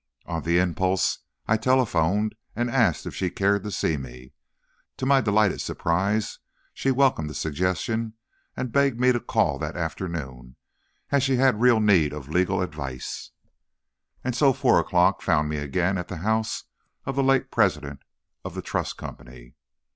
On the impulse, I telephoned and asked if she cared to see me. To my delighted surprise she welcomed the suggestion and begged me to call that afternoon, as she had real need of legal advice. And so four o'clock found me again at the house of the late president of the Trust Company.